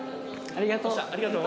ありがとう。